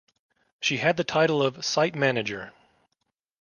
She had the title of "Site Manager".